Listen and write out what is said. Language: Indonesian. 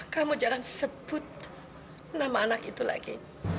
kamu jangan sebut nama anak itu lagi